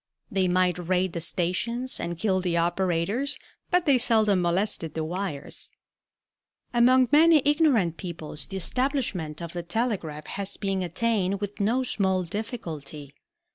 They might raid the stations and kill the operators, but they seldom molested the wires. Among many ignorant peoples the establishment of the telegraph has been attained with no small difficulty.